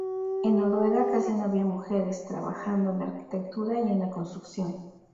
En Noruega casi no había mujeres trabajando en la arquitectura y en la construcción.